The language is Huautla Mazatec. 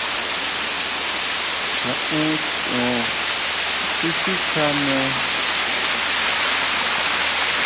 ¿Naen choón tisikjané?